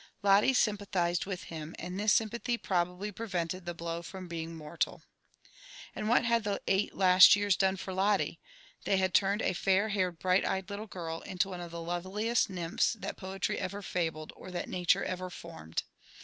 Lotle sympathised with him, and this sympathy probably prevented the blow from being mortal. And what had the eight last years done for Lotte ? They had turned a fair*haired bright ^eyed little girl, into one of the loveliest nymphs that poetry ever fabled, or that nature ever formed.